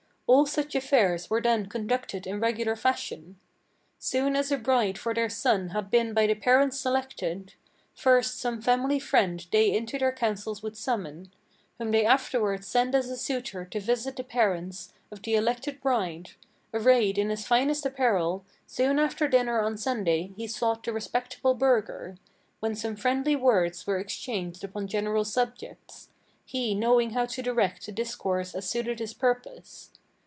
All such affairs were then conducted in regular fashion. Soon as a bride for their son had been by the parents selected, First some family friend they into their councils would summon, Whom they afterwards sent as a suitor to visit the parents Of the elected bride. Arrayed in his finest apparel, Soon after dinner on Sunday he sought the respectable burgher, When some friendly words were exchanged upon general subjects, He knowing how to direct the discourse as suited his purpose.